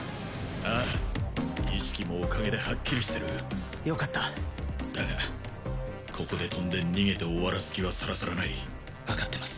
ああ意識もおかげではっきりしてるよかっただがここで飛んで逃げて終わらす気はさらさらない分かってます